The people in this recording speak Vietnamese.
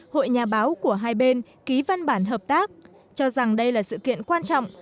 hội nhà báo của hai bên ký văn bản hợp tác cho rằng đây là sự kiện quan trọng